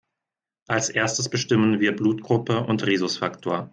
Als Erstes bestimmen wir Blutgruppe und Rhesusfaktor.